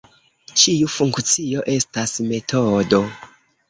Ĉiu funkcio estas metodo.